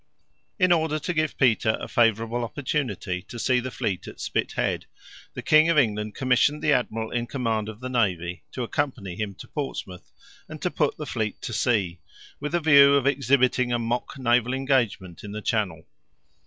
In order to give Peter a favorable opportunity to see the fleet at Spithead, the King of England commissioned the admiral in command of the navy to accompany him to Portsmouth, and to put the fleet to sea, with the view of exhibiting a mock naval engagement in the Channel.